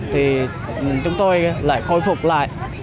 thì chúng tôi lại khôi phục lại